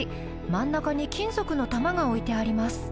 真ん中に金属の球が置いてあります。